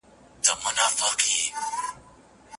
انارکلي اوښکي دي مه تویوه